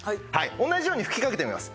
同じように吹きかけてみます。